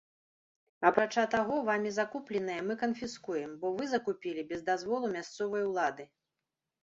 Апрача таго, вамі закупленае мы канфіскуем, бо вы закупілі без дазволу мясцовай улады!